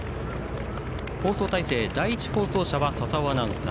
放送体制、第１放送車は佐々生アナウンサー。